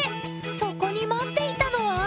そこに待っていたのは！